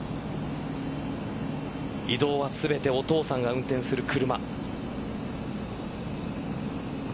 移動は全てお父さんが運転する車。